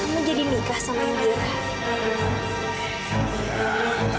kamu jadi nikah sama yudhiyah